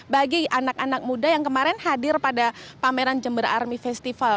bagi anak anak muda yang kemarin hadir pada pameran jember army festival